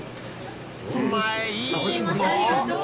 お前いいぞ！